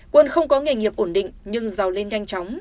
quân không có nghề nghiệp ổn định nhưng giàu lên nhanh chóng